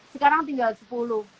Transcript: sekarang tinggal sepuluh